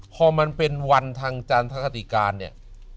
พอมันเป็นวันทางจานธรรมศาสตรีการเนี่ย